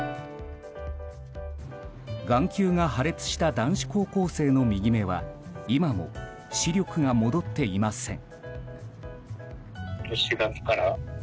眼球が破裂した男子高校生の右目は今も視力が戻っていません。